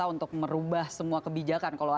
itu belum pernah